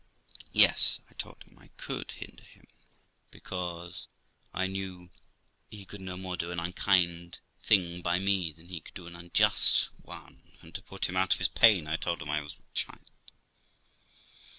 Yes, I told him, I could hinder him, because I knew he could no more do an unkind thing by me than he could do an unjust one; and to put him out of his pain, I told him I was with child.